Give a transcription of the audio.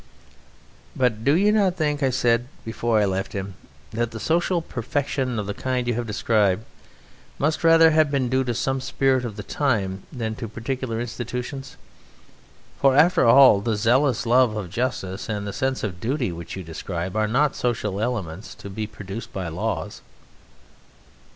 "But do you not think," I said before I left him, "that the social perfection of the kind you have described must rather have been due to some spirit of the time than to particular institutions? For after all the zealous love of justice and the sense of duty which you describe are not social elements to be produced by laws."